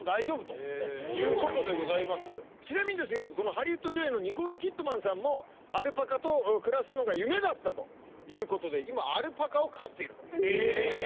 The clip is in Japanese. ちなみにハリウッド女優のニコール・キッドマンさんもアルパカと暮らすのが夢だったということで今アルパカを飼っていると。